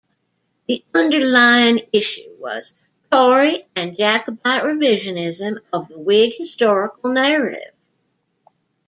The underlying issue was Tory and Jacobite revisionism of the Whig historical narrative.